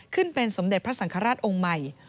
ขึ้นเป็นสมเด็จพระสังฆราชองค์ใหม่